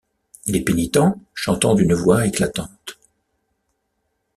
Les pénitents, chantant d’une voix éclatante.